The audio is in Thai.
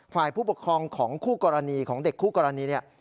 ฝ่ายผู้ปกครองของคู่กรณีของเด็กคู่กรณีเนี่ย